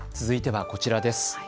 続いてはこちらです。